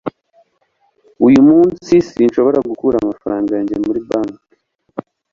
uyu munsi sinshobora gukura amafaranga yanjye muri banki